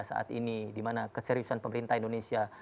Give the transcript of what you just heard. saat ini dimana keseriusan pemerintah indonesia